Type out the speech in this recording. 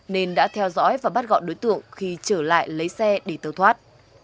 nên đã theo dõi và bắt gọn đối tượng khi trở lại lấy xe để tẩu thoát